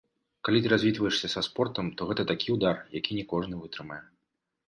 Калі ты развітваешся са спортам, то гэта такі ўдар, які не кожны вытрымае.